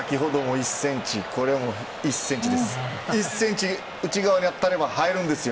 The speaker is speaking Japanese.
１センチ、内側に当たれば入るんですよ。